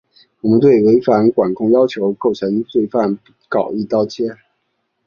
我们对违反管控要求构成犯罪不搞‘一刀切’